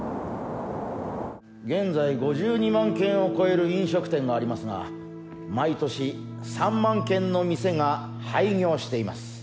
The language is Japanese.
現在５２万軒を超える飲食店がありますが毎年３万軒の店が廃業しています。